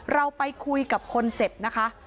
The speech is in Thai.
เราไปคุยกับคนเจ็บนะคะ